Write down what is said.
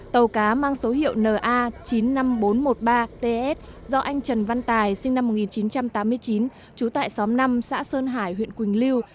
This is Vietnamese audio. tàu cá mang số hiệu na chín mươi năm nghìn bốn trăm một mươi ba ts do anh trần văn tài sinh năm một nghìn chín trăm tám mươi chín trú tại xóm năm xã sơn hải huyện quỳnh lưu